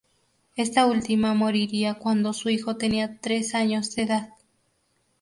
Esta última moriría cuando su hijo tenía tres años de edad.